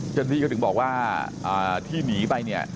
จนที่ก็ถึงบอกว่าที่หนีไปเนี่ย